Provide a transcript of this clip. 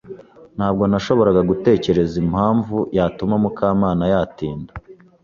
Ntabwo nashoboraga gutekereza kumpamvu yatuma Mukamana yatinda.